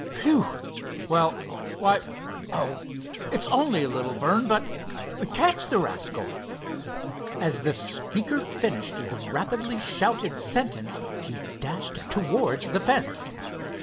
"Whew! Well—why, oh, it's only a little burn, but—catch the rascal!" As the speaker finished the rapidly shouted sentence he dashed towards the fence.